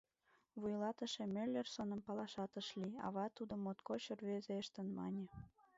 Вуйлатыше Мӧллерсоным палашат ыш лий, ава тудым моткоч рвезештын мане.